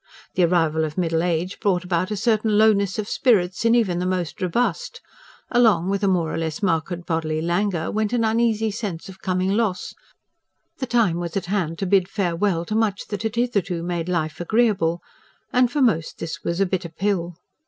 The arrival of middle age brought about a certain lowness of spirits in even the most robust: along with a more or less marked bodily languor went an uneasy sense of coming loss: the time was at hand to bid farewell to much that had hitherto made life agreeable; and for most this was a bitter pill.